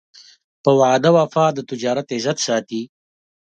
په وعده وفا د تجارت عزت ساتي.